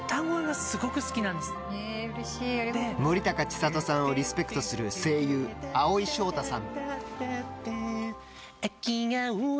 森高千里さんをリスペクトする声優・蒼井翔太さん。